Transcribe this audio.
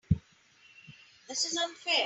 This is unfair.